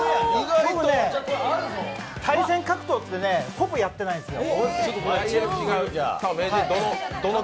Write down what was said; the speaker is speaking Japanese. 対戦格闘はほぼやってないんですよ。